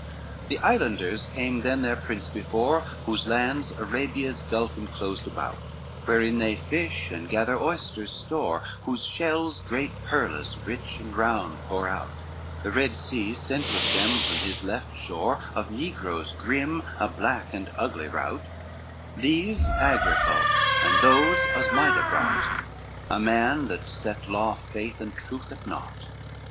XXIII The islanders came then their prince before Whose lands Arabia's gulf enclosed about, Wherein they fish and gather oysters store, Whose shells great pearls rich and round pour out; The Red Sea sent with them from his left shore, Of negroes grim a black and ugly rout; These Agricalt and those Osmida brought, A man that set law, faith and truth at naught.